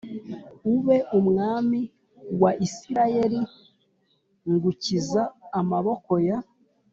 Ube umwami wa isirayeli ngukiza amaboko ya